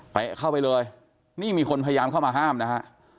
เข้าไปเลยนี่มีคนพยายามเข้ามาห้ามนะฮะ